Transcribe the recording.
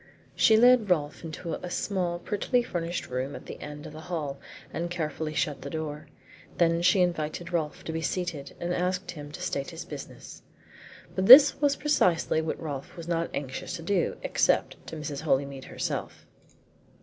She led Rolfe to a small, prettily furnished room at the end of the hall, and carefully shut the door. Then she invited Rolfe to be seated, and asked him to state his business. But this was precisely what Rolfe was not anxious to do except to Mrs. Holymead herself.